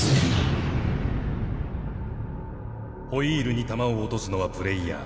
ホイールに玉を落とすのはプレーヤー。